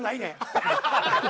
ハハハ。